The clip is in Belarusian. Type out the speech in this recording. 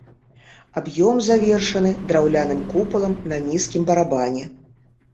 Аб'ём завершаны драўляным купалам на нізкім барабане.